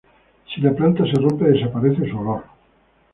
Si la planta se rompe desaparece su olor.